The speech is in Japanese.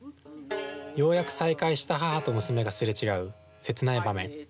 ようやく再会した母と娘がすれ違う切ない場面。